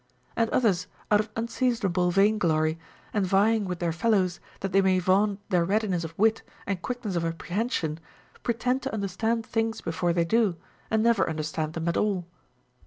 And others out of unseasonable vain glory, and vying with their fellows that they may vaunt their readiness of wit and quickness of apprehension, pretend to understand things before they do, and never understand them at all.